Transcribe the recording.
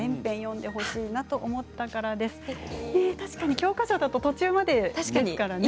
教科書だと途中までですからね。